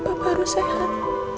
papa harus sehat